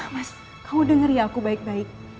mas kamu dengar ya aku baik baik